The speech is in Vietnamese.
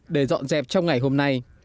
để dọn dẹp trong ngày hôm nay